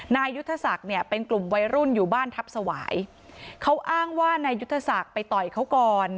นายยุทธศักดิ์เนี่ยเป็นกลุ่มวัยรุ่นอยู่บ้านทัพสวายเขาอ้างว่านายยุทธศักดิ์ไปต่อยเขาก่อน